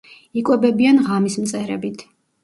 იკვებებიან ღამის მწერებით.